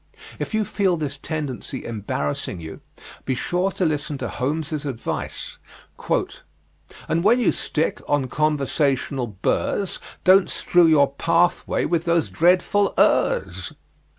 If you feel this tendency embarrassing you, be sure to listen to Holmes's advice: And when you stick on conversational burs, Don't strew your pathway with those dreadful urs.